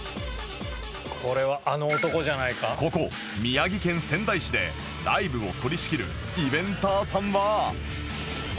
ここ宮城県仙台市でライブを取り仕切るイベンターさんは